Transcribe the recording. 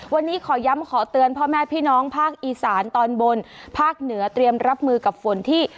วันนี้ขอย้ำขอเตือนพ่อแม่พี่น้องภาคอีสานตอนบนภาคเหนือเตรียมรับมือกับฝนที่